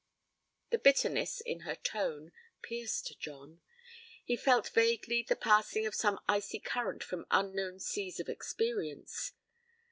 The bitterness in her tone pierced John. He felt vaguely the passing of some icy current from unknown seas of experience.